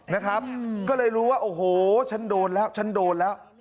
นะครับก็เลยรู้ว่าโอ้โหฉันโดนแล้วฉันโดนแล้ว